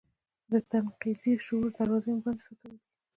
د تنقیدي شعور دراوزې مو بندې ساتلي دي.